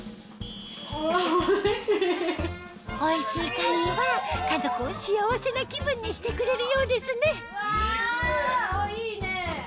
おいしいカニは家族を幸せな気分にしてくれるようですねうわいいね。